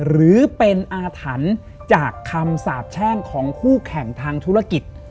หรือเป็นอาถรรพ์จากคำสาบแช่งของคู่แข่งทางธุรกิจ